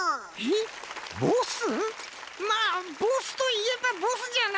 まあボスといえばボスじゃな！